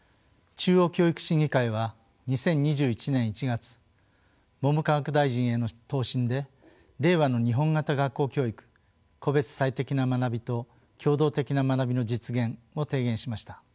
中央教育審議会は２０２１年１月文部科学大臣への答申で「令和の日本型学校教育個別最適な学びと協働的な学びの実現」を提言しました。